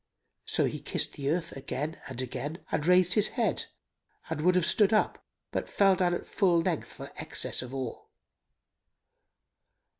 So he kissed the earth again and again and raised his head and would have stood up, but fell down at full length for excess of awe.